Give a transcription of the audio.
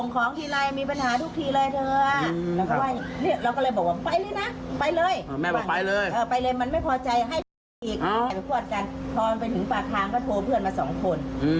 พอไปถึงปากทางก็โทรเพื่อนมาสองคน